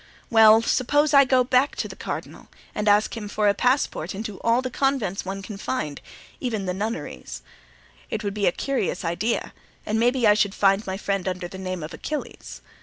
"Well, suppose I go back to the cardinal and ask him for a passport into all the convents one can find, even into the nunneries? It would be a curious idea, and maybe I should find my friend under the name of Achilles.